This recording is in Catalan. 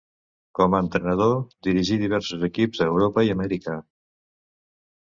Com a entrenador, dirigí diversos equips a Europa i Amèrica.